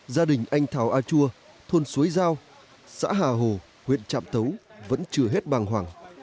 gia đình anh thảo a chua thôn suối giao xã hà hồ huyện trạm tấu vẫn chưa hết bàng hoàng